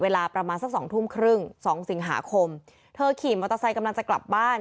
เวลาประมาณสักสองทุ่มครึ่งสองสิงหาคมเธอขี่มอเตอร์ไซค์กำลังจะกลับบ้าน